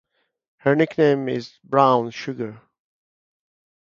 Her nickname is "Brown Sugar".